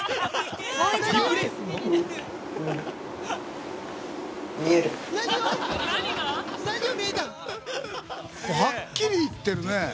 はっきり言ってるね。